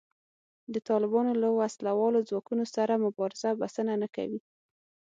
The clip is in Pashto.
د طالبانو له وسله والو ځواکونو سره مبارزه بسنه نه کوي